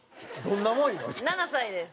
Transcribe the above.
７歳です。